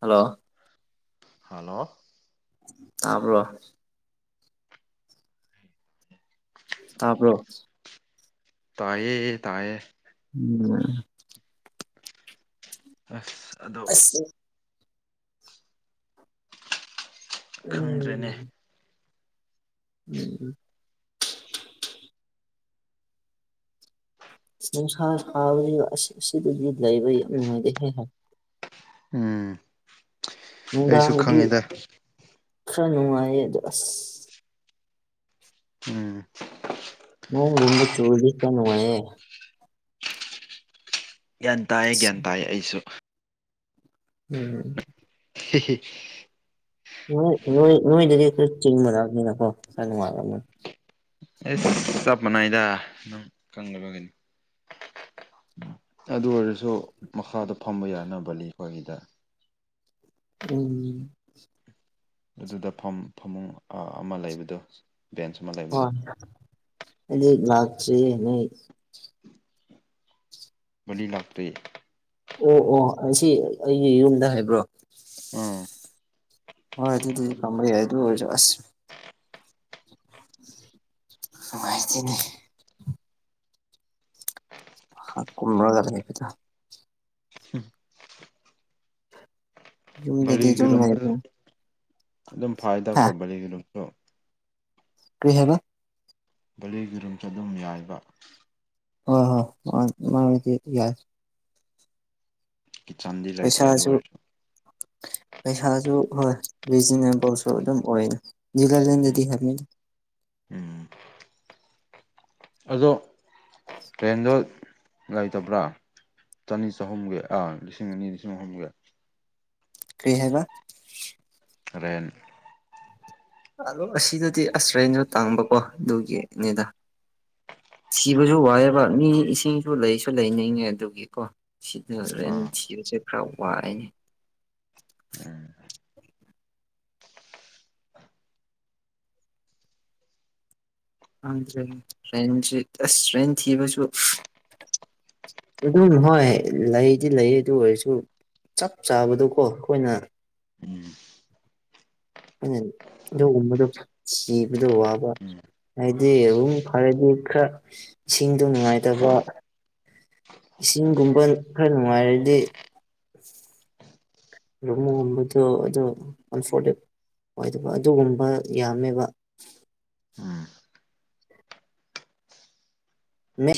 hello hello ꯑꯕ꯭ꯔꯣ ꯇꯥꯕ꯭ꯔꯣ ꯇꯌꯦ ꯇꯌꯦ ꯎꯝ ꯑ ꯑ ꯈꯪꯗ꯭ꯔꯦꯅꯦ ꯎꯝ ꯎꯝ ꯪꯁꯥꯔ ꯐꯥꯕ ꯑꯁꯤ ꯑꯁꯤꯗꯒꯤ ꯂꯩꯕ ꯌꯥꯝ ꯅꯨꯡꯉꯥꯏ ꯍꯦ ꯍꯥꯏ ꯎꯝ ꯑꯩꯁꯨ ꯈꯪꯉꯤꯗ ꯈꯟꯃꯥꯏꯗꯁ ꯎꯝ ꯃ ꯨꯗ ꯆꯣꯗꯁꯅꯅꯨꯡꯉꯌꯦꯦ ꯒ꯭ꯌꯥꯟ ꯇꯥꯏꯌꯦ ꯒ꯭ꯌꯥꯟ ꯇꯥꯏꯌꯦ ꯑꯩꯁꯨ ꯍꯝ [inaudible] ꯆꯕꯅ ꯀꯣ ꯁ ꯃꯥ ꯑꯩ ꯆꯞ ꯃꯅꯥꯏꯗ ꯅꯪ ꯈꯕꯒꯅꯤ ꯑꯗꯨ ꯑꯣꯏꯔꯁꯨ ꯃꯈꯥꯗ ꯐꯝꯕ ꯌꯥꯅꯕꯅꯤ ꯑꯩꯈꯣꯏꯒꯤꯗ ꯎꯝ ꯑꯗꯨꯗ ꯐꯃꯨꯡ ꯑꯃ ꯂꯩꯕꯗꯣ ꯕꯦꯟꯁ ꯑꯃ ꯍ ꯂꯩꯕꯗꯣ ꯂꯇꯔꯤ ꯃ ꯂꯥꯛꯇ ꯑꯣ ꯑꯣ ꯑꯁꯤ ꯑꯩꯒꯤ ꯌꯨꯝꯗ ꯍꯥꯏꯕ꯭ꯔꯣ ꯎꯝ ꯍꯣꯏ ꯑꯗꯨ ꯇ ꯈ ꯍꯥꯏ ꯇꯁ ꯃꯥꯥꯏꯇꯅꯦ ꯀꯨꯝꯃꯒꯔ ꯀꯗ ꯌꯨꯝꯗꯗꯤ ꯑꯗꯨꯝ ꯚꯔꯤꯒꯤꯔꯣꯝꯗ ꯂꯩꯕ ꯑꯗꯨꯝ ꯍꯥ ꯐꯥꯏꯗꯀꯣ ꯕꯥꯂꯤꯒꯤꯔꯣꯝꯁꯨ ꯀꯔꯤ ꯍꯥꯏꯕ ꯕꯂꯒꯤꯔꯨꯝꯁꯨ ꯑꯗꯨꯝ ꯌꯥꯏꯕ ꯍ ꯍꯣ ꯃꯥ ꯃꯥ ꯌꯥ ꯀꯤꯠꯆꯟꯗꯤ ꯂꯩꯇ꯭ꯔꯦ ꯑꯗꯨ ꯄꯩꯁꯥꯁꯨ ꯑꯣꯏꯔꯁꯨ ꯄꯩꯁꯥꯁꯨ ꯍꯣꯏ ꯔꯤꯖꯅꯦꯜꯐꯥꯎꯁꯨ ꯑꯗꯨꯝ ꯑꯣꯏ ꯎꯝ ꯒꯥꯂꯦꯟꯗꯗꯤ ꯍꯥꯏꯅꯤ ꯎꯝ ꯑꯗꯣ ꯇ꯭ꯔꯦꯟꯗꯣ ꯂꯩꯇꯕ꯭ꯔꯥ ꯆꯅꯤ ꯆꯍꯨꯝꯒ ꯑꯥ ꯂꯤꯁꯤꯡ ꯑꯅꯤ ꯂꯤꯁꯤꯡ ꯑꯍꯨꯝꯒ ꯀꯔꯤ ꯍꯥꯏꯕ ꯔ ꯑꯂꯣ ꯑꯁꯤꯗꯗꯤ ꯑꯁꯔꯦꯟꯁꯨ ꯇꯥꯡꯕꯀꯣ ꯑꯗꯨꯒꯤꯅꯦꯗ ꯁꯤꯕꯁꯨ ꯋꯥꯏꯑꯦꯕ ꯃꯤ ꯏꯁꯤꯡꯁꯨ ꯂꯩꯁꯨ ꯂꯩꯅꯤꯡꯉꯦ ꯑꯗꯨꯒꯤꯀꯣ ꯁꯤꯗꯔꯦꯟ ꯑꯥ ꯊꯤꯔ ꯆꯈ꯭ꯔꯥꯎꯏ ꯎꯝ ꯗꯦ꯭ꯔ ꯑꯁ ꯁ꯭ꯔꯦꯟ ꯊꯕꯁꯨ ꯑꯗꯨꯝ ꯍꯣꯏ ꯂꯩꯗꯤ ꯂꯩ ꯑꯗꯨ ꯑꯣꯏꯔꯁꯨ ꯆꯞ ꯆꯥꯕꯗꯨꯀꯣ ꯑꯩꯈꯣꯏꯅ ꯎꯝ ꯑꯗꯨ ꯑꯗꯨꯒꯨꯝꯕꯗꯣ ꯁꯤꯕꯗꯣ ꯋꯥꯕ ꯎꯝ ꯍꯥꯏꯗꯤ ꯑꯗꯨꯝ ꯐꯔꯗꯤ ꯈꯔ ꯏꯁꯤꯡꯗꯣ ꯅꯨꯡꯉꯥꯏꯇꯕ ꯏꯁꯤꯡꯒꯨꯝꯕ ꯈꯔ ꯅꯨꯡꯉꯥꯏꯔꯗꯤ ꯔꯃꯣꯝꯕꯗꯨ ꯑꯗꯨꯟꯐꯣꯔꯦ ꯑꯣꯏꯗꯕ ꯑꯗꯨꯒꯨꯝꯕ ꯌꯥꯝꯃꯦꯕ ꯎꯝ ꯃꯤ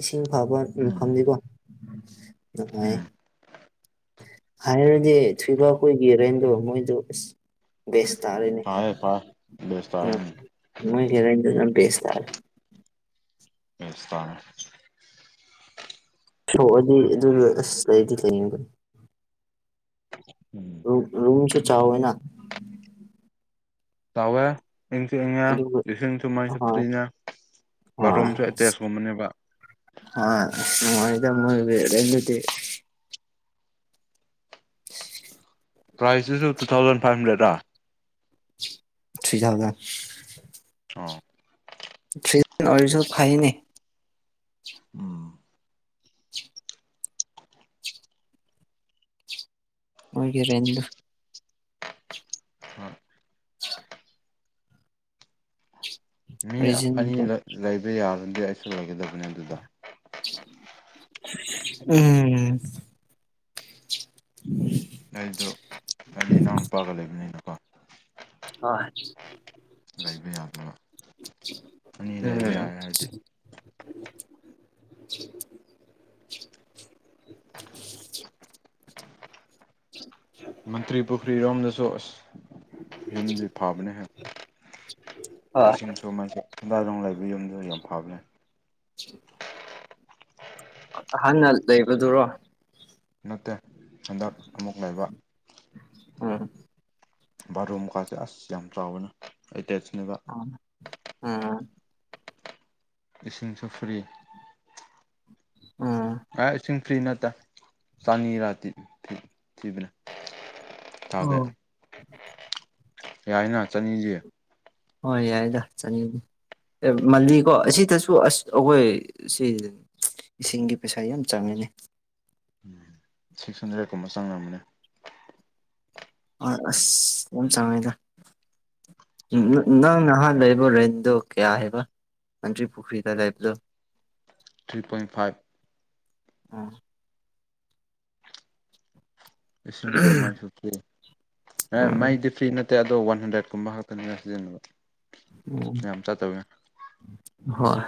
ꯏꯁꯤꯡ ꯐꯕ ꯎꯝ ꯌꯐꯝꯗꯤꯀꯣ ꯅꯨꯡꯉꯥꯏ ꯎꯝ ꯍꯥꯏꯔꯗꯤ ꯊꯣꯏꯕ ꯀꯣꯏꯒꯤ ꯔꯦꯟꯗꯣ ꯃꯣꯏꯗ ꯑ ꯕꯦꯁ ꯇꯥꯔꯤꯅꯦ ꯐ ꯐꯥ ꯕꯦꯁꯇꯥ ꯃꯣꯏ ꯈꯦꯔꯖꯝ ꯄꯦꯁ ꯇꯔ ꯕꯦꯁ ꯇꯥꯔꯦ ꯁꯣꯛꯑꯗꯤ ꯑꯗꯨ ꯑꯁ ꯂꯩꯗꯤ ꯂꯩꯅꯤꯡꯕꯅꯤ ꯎꯝ ꯔꯨꯝꯁꯨ ꯆꯥꯣꯏꯅ ꯆꯥꯎꯋꯦ ꯏꯪꯁꯨ ꯏꯪꯉꯦ ꯑꯗꯨꯒ ꯏꯁꯤꯡꯁꯨ ꯃꯥꯏꯁꯨ ꯍꯣꯏ ꯐ꯭ꯔꯤꯅ ꯕꯥꯠꯔꯨꯝꯁꯨ ꯑꯦꯇꯦꯁꯀꯨꯝꯕꯅꯦꯕ ꯍ ꯃꯣꯏꯗ ꯃꯣꯏꯗꯤ ꯁꯤ ꯄ꯭ꯔꯥꯏꯁꯇꯨꯁꯨ ꯇꯨ ꯊꯥꯎꯖꯟ ꯐꯥꯏꯚ ꯍꯟꯗ꯭ꯔꯦꯗꯥ ꯁꯤꯒ ꯑꯣ ꯊꯔꯤꯖ ꯑꯣꯔꯤꯖ ꯐꯍꯤꯅꯦ ꯎꯝ ꯑꯣꯏꯒꯤ ꯔꯦꯟꯖꯗ ꯍꯣꯏ ꯃꯤ ꯑꯅꯤ ꯔꯤꯖꯅꯦꯕꯜ ꯂꯩꯕ ꯌꯥꯔꯗꯤ ꯑꯩꯁꯨ ꯂꯩꯒꯗꯕꯅꯦ ꯑꯗꯨꯗ ꯎꯝ ꯎꯝ ꯑꯩꯗꯣ ꯑꯩꯗꯤ ꯏꯅꯥꯎ ꯅꯨꯨꯄꯥꯒ ꯂꯩꯕꯅꯤꯅꯀꯣ ꯍꯣꯏ ꯂꯩꯕ ꯌꯥꯗꯣꯏꯔꯥ ꯑꯅꯤ ꯂꯩꯕ ꯎꯝ ꯌꯥꯔꯦ ꯍꯥꯏꯔꯗꯤ [unintelligible] [unintelligible] ꯎ ꯃꯟꯇ꯭ꯔꯤ ꯄꯣꯈ꯭ꯔꯤ ꯔꯣꯝꯗꯁꯨ ꯌꯨꯝꯁꯦ ꯐꯕꯅꯦ ꯍꯣꯏ ꯏꯁꯤꯡꯁꯨ ꯃꯥꯏ ꯍꯦꯟꯗꯥꯏꯔꯣꯡ ꯂꯩꯕ ꯌꯨꯝꯗꯨ ꯌꯥꯝ ꯐꯕꯅꯦ [unintelligible] [inaudible] ꯍꯍꯅ ꯂꯩꯕꯗꯨꯔꯣ ꯅꯠꯇꯦ ꯍꯟꯗꯛ ꯑꯃꯨꯛ ꯂꯩꯕ ꯑꯝ ꯕꯥꯔꯣ ꯃꯀꯥꯁꯦ ꯑꯁ ꯌꯥꯝ ꯆꯥꯎꯋꯦꯅ ꯑ ꯎꯝ ꯏꯁꯤꯡ ꯁꯐ꯭ꯔꯤ ꯎꯝ ꯑꯦ ꯐ꯭ꯔꯤ ꯅꯠꯇ ꯆꯥꯅꯤꯔꯥ ꯊꯤꯕꯅ ꯊꯥꯒꯦ ꯑꯣ ꯌꯥꯏꯅ ꯆꯠꯅꯤꯁꯦ ꯍꯣꯏ ꯌꯥꯏꯗ ꯆꯅꯤꯡꯉ ꯑꯦ ꯃꯥꯜꯂꯤ ꯀꯣ ꯑꯁꯤꯗꯁꯨ ꯑꯁ ꯑꯩꯈꯣꯏ ꯁꯤ ꯏꯁꯤꯡꯒꯤ ꯄꯩꯁꯥ ꯌꯥꯝ ꯆꯪꯉꯤ [inaudible] ꯁꯤꯛꯁ ꯍꯟꯗ꯭ꯔꯦꯠꯀꯨꯝꯕ ꯆꯪ ꯑꯃꯅꯦ ꯑ ꯑꯁ ꯌꯥꯝ ꯆꯥꯡꯉꯦꯗ ꯅꯪ ꯅꯍꯥ ꯂꯩꯕꯣ ꯔꯦꯗꯣ ꯀꯌꯥ ꯍꯥꯏꯦꯕ ꯅꯟ꯭ꯔꯤ ꯄꯨꯈ꯭ꯔꯤꯗ ꯂꯥꯏꯕꯗ ꯊ꯭ꯔꯤ ꯄꯣꯏꯟ ꯐꯥꯏꯚ ꯑꯥ ꯏꯁꯤꯡꯁꯨ ꯃꯥꯏꯁꯨ ꯐꯤ ꯎꯝ ꯃꯥꯏꯗꯤ ꯐꯤ ꯅꯠꯇꯦ ꯅꯦ ꯑꯗꯣ ꯋꯥꯟ ꯍꯟꯗ꯭ꯔꯦꯠꯀꯨꯝꯕ ꯉꯥꯛꯇꯅꯤꯅ ꯁꯤꯖꯤꯟꯅꯕ ꯌꯥꯝ ꯆꯠꯇꯕꯅꯦ ꯎ ꯍꯣꯏ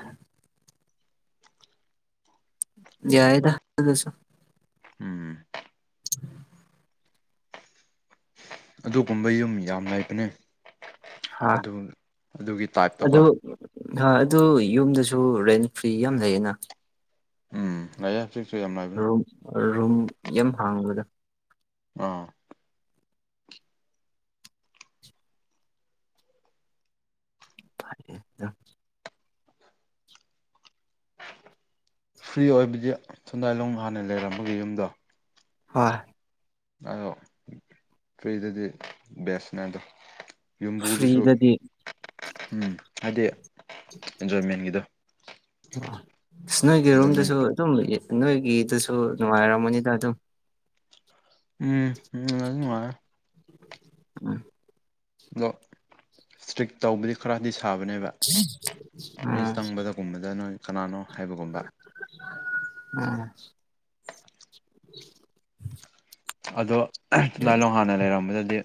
ꯌꯥꯏꯗꯁꯨꯣ ꯎꯝ [unintelligible] ꯑꯗꯨꯒꯨꯝꯕ ꯌꯨꯝ ꯌꯥꯝ ꯂꯩꯕꯅꯦ ꯍꯥ ꯑꯗꯨ ꯑꯗꯨꯒꯤ ꯇꯥꯏꯞꯇꯀꯣ ꯑꯗꯨꯗ ꯑꯗꯨ ꯌꯨꯝꯗꯁꯨ ꯔꯦꯟ ꯐ꯭ꯔꯤ ꯌꯥꯝ ꯂꯩꯌꯦꯅ ꯎꯝ ꯑ ꯔꯨꯝ ꯔꯨꯝ ꯌꯥꯝ ꯍꯥꯡꯂꯒ ꯑꯥ ꯐꯝ ꯐ꯭ꯔꯤ ꯑꯣꯏꯕꯗꯤ ꯊꯦꯟꯗꯥꯏꯂꯣꯡ ꯍꯥꯟꯅ ꯂꯩꯔꯝꯃꯒꯦ ꯌꯨꯝꯗꯣ ꯍꯣꯏ ꯑꯗꯣ ꯐ꯭ꯔꯤꯗꯗꯤ ꯕꯦꯁꯅꯦ ꯑꯗꯣ ꯌꯨꯝꯕꯨꯗꯨꯁꯨ ꯐ꯭ꯔꯤꯗꯗꯤ ꯎꯝ ꯍꯥꯏꯗꯤ ꯑꯦꯟꯖꯣꯏꯃꯦꯟꯒꯤꯗꯣ ꯅꯣꯏꯒꯤ ꯑꯦꯟꯖꯣꯏꯃꯦꯟ ꯔꯣꯝꯗꯁꯨ ꯑꯗꯨꯝ ꯂꯩ ꯅꯣꯏꯒꯤꯗꯨꯁꯨ ꯅꯨꯡꯉꯥꯏꯔꯝꯃꯣꯅꯤꯗ ꯑꯗꯨꯝ ꯎꯝ ꯎꯝ ꯃꯥ ꯎꯝ ꯑꯣ ꯏꯁꯇ꯭ꯔꯤꯛ ꯇꯧꯕꯗꯤ ꯈꯔꯗꯤ ꯁ ꯊꯥꯕꯅꯦꯕ ꯃꯤ ꯎꯝ ꯆꯪꯕꯗꯒꯨꯝꯕꯗ ꯅꯣꯏ ꯀꯅꯥꯅꯣ ꯍꯥꯏꯕꯒꯨꯝꯕ ꯎꯝ [inaudible] ꯑꯗꯣ ꯗꯥꯏ ꯂꯣꯡ ꯍꯥꯟꯅ ꯂꯩꯔꯝꯕꯗꯗꯤ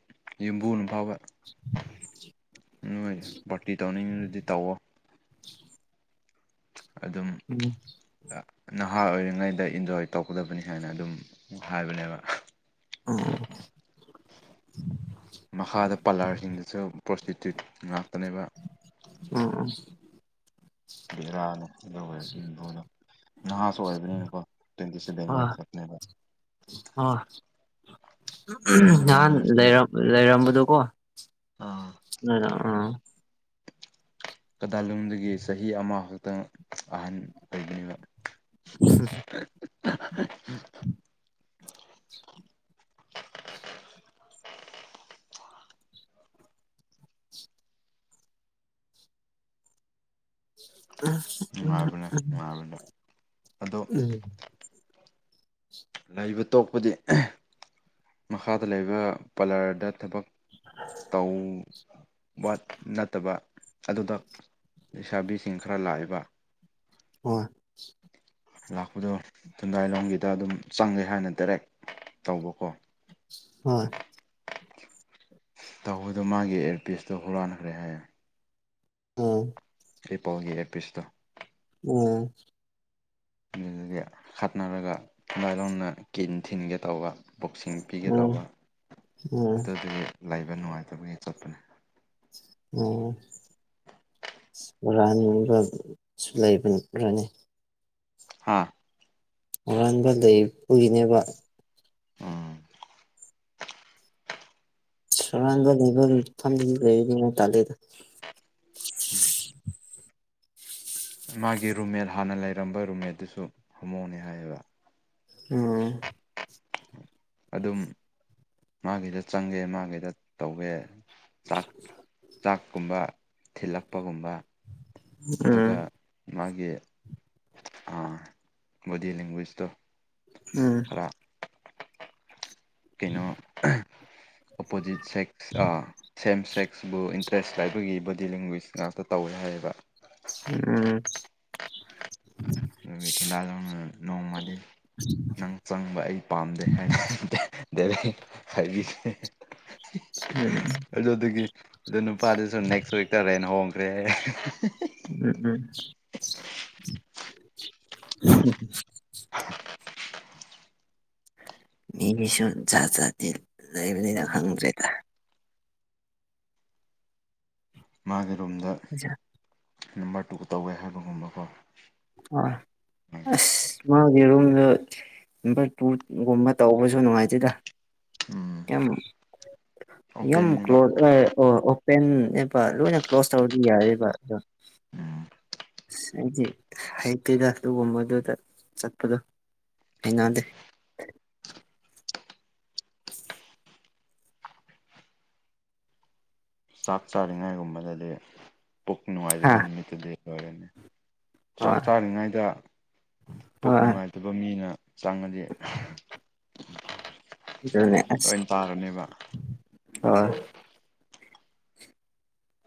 ꯌꯨꯝꯕꯨ ꯑꯃ ꯐꯥꯎꯕ [inaudible] ꯅꯣꯏ ꯄꯥꯔꯇꯤ ꯇꯧꯅꯤꯡꯉꯤꯗꯨꯗꯤ ꯇꯧꯋꯣ ꯑꯗꯨꯝ ꯎꯝ ꯅꯍꯥ ꯑꯣꯏꯔꯤꯉꯩꯗ ꯏꯟꯖꯣꯏ ꯇꯧꯒꯗꯕꯅꯤ ꯍꯥꯏꯅ ꯑꯗꯨꯝ ꯍꯥꯏꯕꯅꯦꯕ ꯑꯥ ꯃꯈꯥꯗ ꯄꯥꯂꯔꯁꯤꯡꯗꯁꯨ ꯄ꯭ꯔꯣꯁꯇꯤꯇ꯭ꯌꯨꯠ ꯉꯥꯛꯇꯅꯦꯕ ꯎꯝ ꯎ ꯕꯦꯔꯥꯅ ꯑꯗꯨꯒ ꯑꯣꯏ ꯍꯅ ꯅꯍꯥ ꯁꯣꯏꯗꯅꯤꯣ ꯇꯤꯟꯁꯤ ꯑ ꯇ꯭ꯋꯦꯟꯇꯤ ꯁꯚꯦꯟ ꯅꯍꯥꯟ ꯌꯔꯁꯇꯤ ꯂꯩꯔ ꯂꯩꯔꯝꯕꯗꯨꯣ ꯀꯣ ꯍꯔ ꯑꯥ ꯀꯗꯥꯂꯣꯡꯗꯒꯤ ꯆꯍꯤ ꯑꯃ ꯈꯛꯇꯪ ꯑꯍꯟ ꯑꯣꯏꯗꯕ ꯎ [unintelligible] ꯅꯨꯡꯉꯥꯏꯕꯅꯦ ꯅꯨꯡꯉꯥꯏꯕꯅꯦ ꯑꯗꯣ ꯎꯝ ꯂꯩꯕ ꯇꯣꯛꯄꯗꯤ ꯃꯈꯥꯗ ꯂꯩꯕ ꯄꯥꯔꯂꯔꯗ ꯊꯕꯛ ꯇ ꯋꯥ ꯅꯠꯇꯕ ꯑꯗꯨꯗ ꯂꯩꯁꯥꯕꯤꯁꯤꯡ ꯈꯔ ꯂꯥꯛꯏꯕ ꯍꯣꯏ ꯂꯥꯛꯄꯗꯣ ꯊꯨꯝꯗꯥꯏꯂꯣꯝꯒꯤꯗ ꯑꯗꯨꯝ ꯆꯪꯒꯦ ꯍꯥꯏꯅ ꯗꯥꯏꯔꯦꯛ ꯇꯧꯕꯀꯣ ꯍꯣꯏ ꯇꯧꯕꯗꯣ ꯃꯥꯒꯤ ꯑꯦꯌꯥꯔꯄꯤꯁꯇꯣ ꯍꯨꯔꯥꯟꯈ꯭ꯔꯦ ꯍꯥꯏꯔ ꯑꯝ ꯑꯩ ꯄꯥꯎꯜꯒꯤ ꯑꯦꯗꯄꯤꯁꯇꯣ ꯎꯝ ꯑꯗꯨꯗꯒꯤ ꯈꯠꯅꯔꯒ ꯏꯃꯥꯏꯔꯣꯅ ꯀ ꯊꯤꯟꯒꯦ ꯇꯧꯕ ꯕꯣꯛꯁꯤꯡ ꯄꯤꯒꯦ ꯎꯝ ꯇꯧꯕ ꯎꯝ ꯑꯗꯨꯗꯤ ꯂꯩꯕ ꯅꯨꯡꯉꯥꯏꯇꯕꯒꯤ ꯆꯠꯄꯅꯦ ꯑꯣꯝ ꯔꯕꯁꯨ ꯂꯩꯕꯔꯅꯤ ꯍꯥꯥ ꯑꯍꯥꯟꯕ ꯂꯩ ꯄꯨꯒꯤꯅꯦꯕ ꯎꯝ ꯁꯨꯔꯗ ꯂꯩꯕ ꯐ ꯂꯩꯅ ꯇꯗꯦꯗ [unintelligible] ꯃꯥꯒꯤ ꯔꯨꯝꯃꯦꯠ ꯍꯥꯟꯅ ꯂꯩꯔꯝꯕ ꯔꯨꯝꯃꯦꯠꯇꯨꯁꯨ ꯍꯥꯃꯣꯅꯤ ꯍꯥꯏꯌꯦꯕ ꯑꯣ ꯑꯗꯨꯝ ꯃꯥꯒꯤꯗ ꯆꯪꯒꯦ ꯃꯥꯒꯤꯗ ꯇꯧꯒꯦ ꯆꯥꯛ ꯆꯥꯛꯀꯨꯝꯕ ꯊꯤꯜꯂꯛꯄꯒꯨꯝꯕ ꯑꯗꯨꯒ ꯎꯝ ꯃꯥꯒꯤ ꯕꯣꯗꯤ ꯂꯦꯡꯒ꯭ꯋꯦꯁꯇꯣ ꯎꯝ ꯀꯩꯅꯣ ꯑꯣꯄꯣꯖꯤꯠ ꯁꯦꯛꯁ ꯑ ꯁꯦꯝ ꯁꯦꯛꯁꯕꯨ ꯗ꯭ꯔꯦꯁ ꯂꯥꯏꯕꯒꯤ ꯕꯣꯗꯤ ꯂꯦꯡꯒ꯭ꯋꯦꯁ ꯉꯥꯛꯇ ꯇꯧꯋꯦ ꯍꯥꯏꯌꯦꯕ ꯎꯝ ꯑꯗꯨꯒ ꯊꯗꯥꯥꯅ ꯅꯣꯡꯃꯗꯤ ꯅꯪ ꯆꯪꯕ ꯑꯩ ꯄꯥꯝꯗꯦ ꯍꯥꯏꯅ ꯈ ꯗꯦ ꯍꯥꯏꯕꯤꯦ ꯎꯝ ꯑꯗꯨꯒꯤ ꯑꯗꯨ ꯅꯨꯄꯥꯗꯨꯁꯨ ꯅꯦꯛꯁ ꯋꯤꯛꯇ ꯔꯦꯟ ꯍꯣꯡ ꯇꯦ ꯎꯝ ꯎꯝ ꯎ ꯃꯤ ꯃꯤꯁ ꯥꯖꯥꯇꯤ ꯂꯥꯏꯕ꯭ꯔꯦꯔꯤ ꯎꯝ ꯑꯈꯪ ꯀ꯭ꯔꯦꯇꯥ ꯃꯥꯒꯦ ꯑꯥ ꯅꯝꯕꯔ ꯇꯨ ꯇꯧꯋꯦ ꯍꯥꯏꯕꯒꯨꯝꯕꯀꯣ ꯍꯣꯏ ꯎꯝ ꯑꯁ ꯃꯥꯒꯤ ꯔꯨꯝꯗ ꯅꯝꯕꯔ ꯇꯨꯒꯨꯝꯕ ꯇꯧꯕꯁꯨ ꯅꯨꯡꯉꯥꯏꯖꯦꯗ ꯌꯥꯝ ꯀꯣ ꯑꯣꯄꯦꯟꯅꯦꯕ ꯄꯦꯟꯅꯦꯕ ꯂꯣꯏꯅ ꯀ꯭ꯂꯣꯁ ꯇꯧꯔꯗꯤ ꯌꯥꯔꯦꯕ ꯑꯗꯣ ꯎꯝ ꯑꯁ ꯍꯥꯏꯗꯤ ꯍꯩꯇꯦꯗ ꯑꯗꯨꯒꯨꯝꯕꯗꯨꯗ ꯆꯠꯄꯗꯣ ꯍꯉꯗꯦ ꯆꯥꯛ ꯆꯥꯔꯤꯉꯥꯏꯒꯨꯝꯕꯗꯗꯤ ꯄꯨꯛ ꯍꯥ ꯅꯨꯡꯉꯥꯏꯖꯕ ꯅꯨꯃꯤꯠꯇꯨꯗꯤ ꯂꯣꯏꯔꯅꯤ ꯆꯥꯛ ꯍꯣꯏ ꯆꯥꯔꯤꯉꯩꯗ ꯄꯨꯣꯛꯛ ꯍꯣꯏ ꯅꯨꯡꯉꯥꯏꯇꯕ ꯃꯤꯅ ꯆꯥꯡꯅꯗꯤꯦ ꯑꯗꯨꯅꯦ ꯑꯁ ꯂꯣꯏ ꯇꯥꯔꯅꯦꯕ ꯍꯣꯏ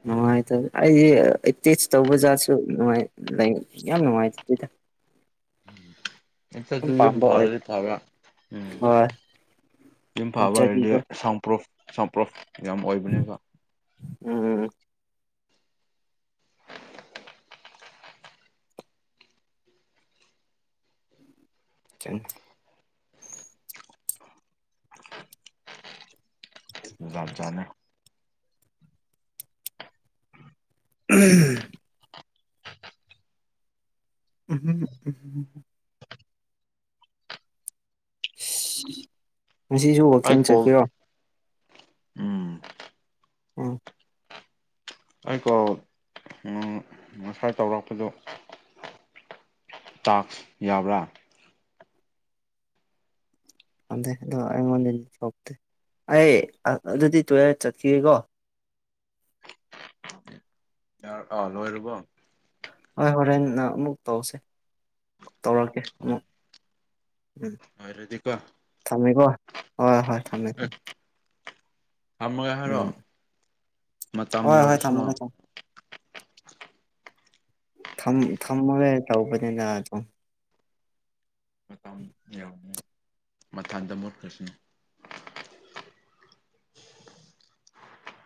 ꯅꯨꯡꯉꯥꯏꯇ ꯑꯩꯗꯤ ꯑꯦꯇꯦꯁ ꯇꯧꯕ ꯖꯥꯠꯁꯨꯉꯥꯏ ꯂꯩ ꯌꯥꯝ ꯅꯨꯡꯉꯥꯏꯇꯦ ꯑꯗꯨꯏꯗ ꯑꯆꯥ ꯑꯗꯨꯏ ꯌ ꯑꯣꯏꯗꯦ ꯐꯔꯗꯤ ꯊꯕ ꯎꯝ ꯍꯣꯏ ꯌꯨꯝ ꯐꯥꯕ ꯍꯥꯏꯔꯗꯤ ꯅꯠꯇ꯭ꯔꯗꯤꯀꯣ ꯁꯥꯎꯝꯄ꯭ꯔꯣꯐ ꯁꯥꯎꯝꯄ꯭ꯔꯣꯐ ꯌꯥꯝ ꯑꯣꯏꯕꯅꯦꯀꯣ ꯎꯝ ꯆꯪ ꯂꯥꯝ ꯆꯅꯦ ꯎꯝ ꯑ ꯉꯁꯤꯁꯨ ꯑꯩ ꯋꯀꯤꯝ ꯀꯣꯜ ꯆꯠꯀꯔꯣ ꯎꯝ ꯎꯝ ꯑꯩꯀꯣ ꯉꯁꯥꯏ ꯇꯧꯔꯛꯄꯗꯣ ꯇꯥꯛꯁ ꯌꯥꯕ꯭ꯔꯥ ꯑꯥꯟꯗꯦꯗ ꯑꯩꯃ ꯤꯟ ꯁꯕꯇ ꯑꯩ ꯑꯗꯨꯗꯤ ꯇꯨꯌꯦꯜꯞ ꯆꯠꯈꯤꯦꯀꯣ ꯑ ꯂꯣꯏꯔꯕ ꯍꯣꯏ ꯍꯣꯔꯦꯟ ꯅꯪ ꯑꯃꯨꯛ ꯇꯧꯁꯤꯦ ꯇꯧꯔꯛꯀꯦ ꯑꯃꯨꯛ ꯎꯝ ꯂꯣꯏꯔꯗꯤꯀꯣ ꯊꯝꯃꯀꯣ ꯍꯣꯏ ꯍꯣꯏ ꯊꯝꯃꯦ ꯊꯝꯃꯦ ꯊꯃꯒꯥꯏ ꯍꯥꯏꯔꯣ ꯎꯝ ꯃꯇꯝ ꯍꯣꯏ ꯍꯣꯏ ꯌꯧꯔꯁꯅꯨ ꯊꯝꯃꯒꯦ ꯊ ꯊꯒ ꯊꯧ ꯄ ꯌꯥꯗꯣ ꯌꯥꯎꯅꯤ ꯃꯊꯥꯡꯗ ꯃꯨꯠꯈ꯭ꯔꯁꯤꯅꯤ